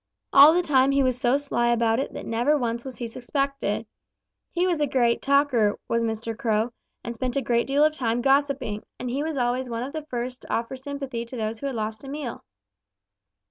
All the time he was so sly about it that never once was he suspected. He was a great talker, was Mr. Crow, and spent a great deal of time gossiping, and he was always one of the first to offer sympathy to those who had lost a meal.